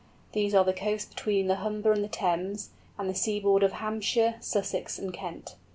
These are the coasts between the Humber and the Thames, and the seaboard of Hampshire, Sussex, and Kent.